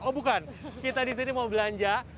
oh bukan kita di sini mau belanja